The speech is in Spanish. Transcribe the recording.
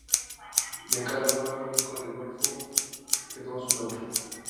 De cara al mar Jónico con el golfo que toma su nombre.